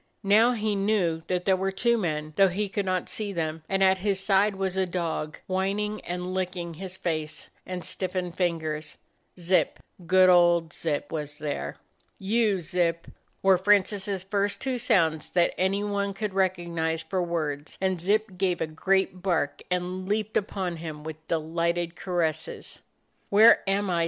Now he knew that there were two men, though he could not see them, and at his side was a dog, whining and licking his face and stiffened fingers. Zip, good old Zip, was there. 51 DOG HEROES OF MANY LANDS "You, Zip!" were Francis's first two sounds that any one could recognize for words, and Zip gave a great bark and leaped upon him with delighted caresses. "Where am I?"